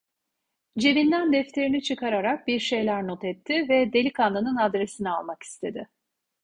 Cebinden defterini çıkararak bir şeyler not etti ve delikanlının adresini almak istedi.